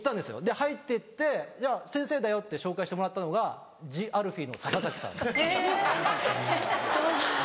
入ってって先生だよって紹介してもらったのがＴＨＥＡＬＦＥＥの坂崎さん。え。